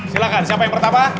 silakan siapa yang pertama